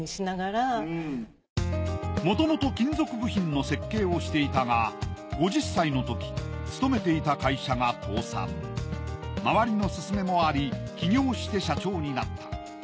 もともと金属部品の設計をしていたが５０歳のとき周りの勧めもあり起業して社長になった。